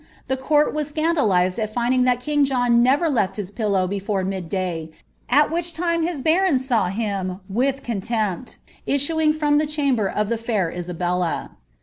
the court were scandi finding that king John never lefl his pillow before mjd dav, at wUik lime his barons saw him, with coDiejnpt, issuing from the ebamAtcJ the fair Isabella.'